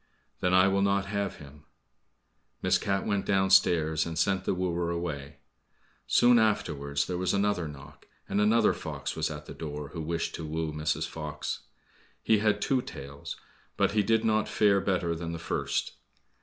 "Then I will not have him." Miss Cat went downstairs and sent the wooer away. Soon afterwards there was another knock, and another fox was at the door who wished to woo Mrs. Fox. He had two tails, but he did not fare better than the first.